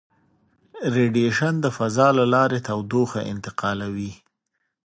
ریډیشن د فضا له لارې تودوخه انتقالوي.